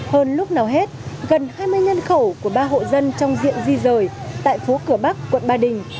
hơn lúc nào hết gần hai mươi nhân khẩu của ba hộ dân trong diện di rời tại phố cửa bắc quận ba đình